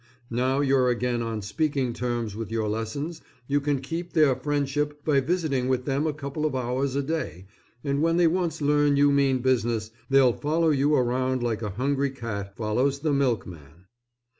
Now you're again on speaking terms with your lessons, you can keep their friendship by visiting with them a couple of hours a day, and when they once learn you mean business they'll follow you around like a hungry cat follows the milk man.